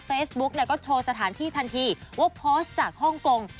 ก็โชว์สถานที่ทันทีว่าโพสต์จากฮ่องกง